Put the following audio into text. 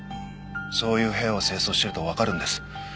そういう部屋を清掃してるとわかるんです。